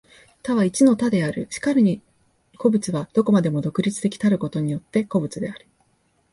多は一の多である。然るに個物は何処までも独立的たることによって個物である。